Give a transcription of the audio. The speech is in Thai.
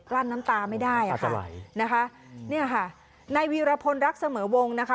ลั่นน้ำตาไม่ได้อ่ะค่ะนะคะเนี่ยค่ะในวีรพลรักเสมอวงนะคะ